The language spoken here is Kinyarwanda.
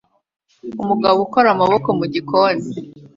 Umugabo ukora amaboko mu gikoni